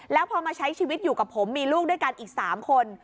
แล้วพอมาใช้ชีวิตอยู่กับผมมีลูกด้วยกันอีก๓คน